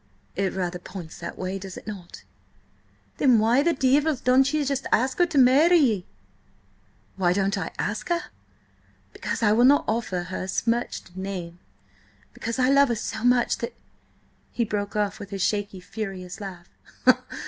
"It rather points that way, does it not?" "Then why the divil don't ye ask her to marry ye?" "Why don't I ask her? Because I will not offer her a smirched name! Because I love her so much that—" He broke off with a shaky, furious laugh.